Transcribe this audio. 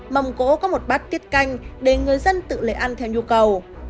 mông cổ có một bát tiết canh để người dân tự lấy ăn theo nhu cầu